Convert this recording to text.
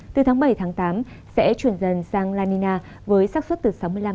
từ tháng bảy tám sẽ chuyển dần sang lanina với sát xuất từ sáu mươi năm bảy mươi năm